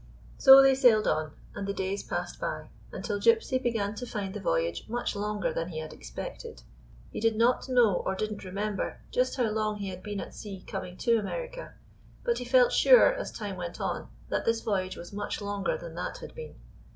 So they sailed on, and the days passed by, until Gypsy began to find the voyage much longer than he had expected. He did At know or did n't remember just how long he had been at sea coming to America; but he felt sure, as time went on, that this voyage was much longer than that had been.